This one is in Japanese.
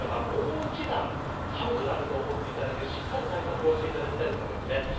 もう一段寒くなると思っていただいてしっかり対策をしていただきたいと思います。